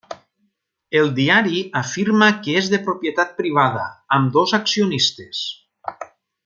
El diari afirma que és de propietat privada, amb dos accionistes.